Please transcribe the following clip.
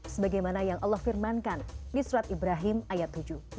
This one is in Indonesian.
sebagaimana yang allah firmankan di surat ibrahim ayat tujuh